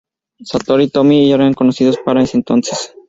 Satori y Tommy ya eran conocidos para ese entonces.